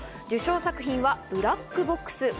受賞作品は『ブラックボックス』。